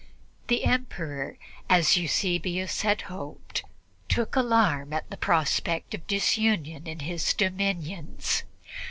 The Emperor, as Eusebius had hoped, took alarm at the prospect of disunion in his dominions.